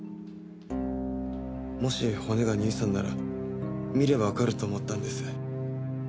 もし骨が兄さんなら見ればわかると思ったんです。